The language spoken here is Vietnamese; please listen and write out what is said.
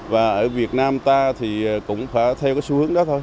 và ở việt nam ta thì cũng phải theo cái xu hướng đó thôi